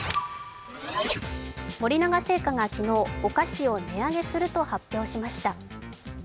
森永製菓が昨日、お菓子を値上げすると発表しました。